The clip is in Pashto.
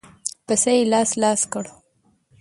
پسه يې لاس لاس کړ.